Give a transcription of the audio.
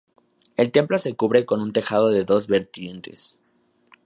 El templo se cubre con un tejado de dos vertientes.